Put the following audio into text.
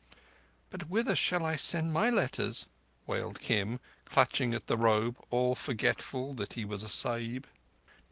"But whither shall I send my letters?" wailed Kim, clutching at the robe, all forgetful that he was a Sahib.